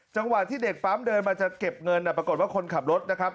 จังหวะที่เด็กปั๊มเดินมาจะเก็บเงินปรากฏว่าคนขับรถนะครับ